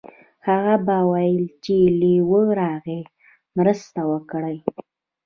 هغه به ویل چې لیوه راغی مرسته وکړئ.